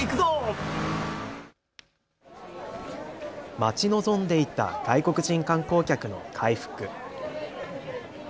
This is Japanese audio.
待ち望んでいた外国人観光客の回復。